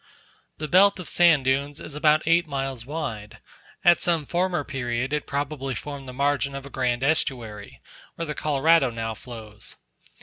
The belt of sand dunes is about eight miles wide; at some former period, it probably formed the margin of a grand estuary, where the Colorado now flows.